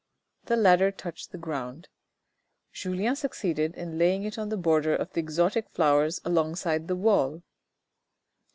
The ladder touched the ground. Julien succeeded in laying it on the border of the exotic flowers along side the wall.